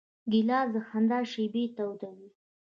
ګیلاس د خندا شېبې تودوي.